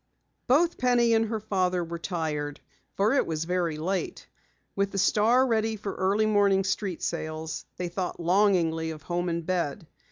Both Penny and her father were tired for it was very late. With the Star ready for early morning street sales, they thought longingly of home and bed.